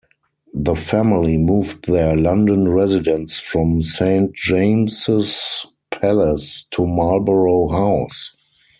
The family moved their London residence from Saint James's Palace to Marlborough House.